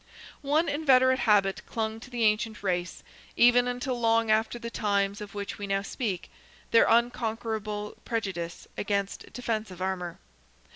One inveterate habit clung to the ancient race, even until long after the times of which we now speak—their unconquerable prejudice against defensive armour.